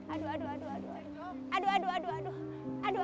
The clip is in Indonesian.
aduh aduh aduh aduh